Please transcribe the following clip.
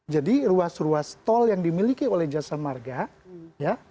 jadi ruas ruas tol yang dimiliki oleh jasa marga ya